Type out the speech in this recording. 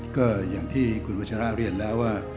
ก็อย่างที่คุณวัชราเรียนแล้วว่า